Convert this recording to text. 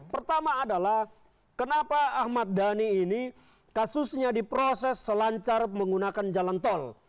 pertama adalah kenapa ahmad dhani ini kasusnya diproses selancar menggunakan jalan tol